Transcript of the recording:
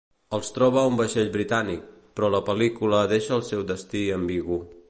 Els troba un vaixell britànic, però la pel·lícula deixa el seu destí ambigu.